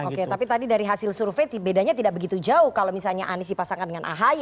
oke tapi tadi dari hasil survei bedanya tidak begitu jauh kalau misalnya anies dipasangkan dengan ahy